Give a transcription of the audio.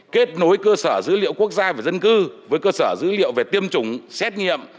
kết nối cơ sở dữ liệu quốc gia về dân cư với cơ sở dữ liệu về tiêm chủng xét nghiệm